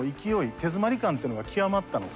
手詰まり感ってのが極まったのか。